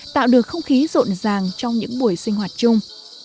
tạo được không khí rộn ràng trong những buổi sinh hoạt chung